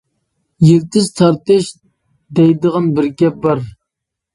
‹يىلتىز تارتىش› دەيدىغان بىر گەپ بار.